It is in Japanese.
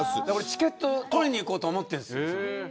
チケットを取りにいこうと思っているんです。